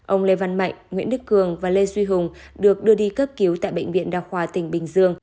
ông lê văn mạnh nguyễn đức cường và lê duy hùng được đưa đi cấp cứu tại bệnh viện đa khoa tỉnh bình dương